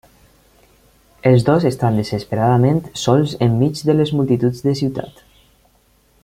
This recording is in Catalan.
Els dos estan desesperadament sols enmig de les multituds de ciutat.